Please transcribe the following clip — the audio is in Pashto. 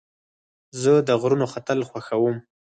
زه د غرونو ختل خوښوم.